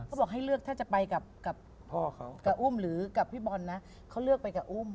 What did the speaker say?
บอกให้เลือกถ้าจะไปกับพ่อเขากับอุ้มหรือกับพี่บอลนะเขาเลือกไปกับอุ้ม